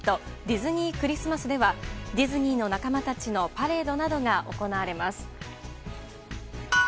ディズニー・クリスマスではディズニーの仲間たちのパレードなどが行われます。